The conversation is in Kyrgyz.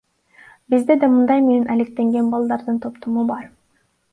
Бизде да мындай менен алектенген балдардын топтору бар.